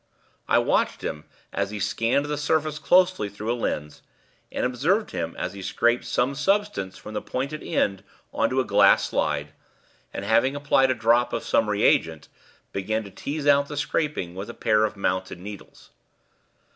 I watched him, as he scanned the surface closely through a lens, and observed him as he scraped some substance from the pointed end on to a glass slide, and, having applied a drop of some reagent, began to tease out the scraping with a pair of mounted needles.